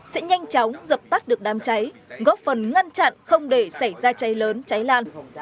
sẽ nhanh chóng dập tắt được đám cháy góp phần ngăn chặn không để xảy ra cháy lớn cháy lan